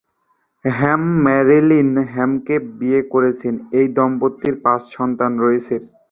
হ্যাম Marilyn হ্যামকে বিয়ে করেন। এই দম্পতির পাঁচ সন্তান রয়েছে।